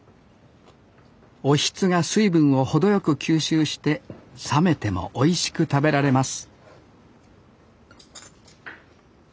おひつが水分を程よく吸収して冷めてもおいしく食べられます